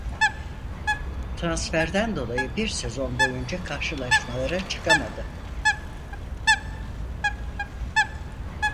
Transferden dolayı bir sezon boyunca karşılaşmalara çıkamadı.